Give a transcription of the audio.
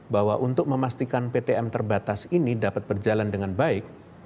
bahwa untuk memastikan ptm terbatas ini dapat berjalan dengan baik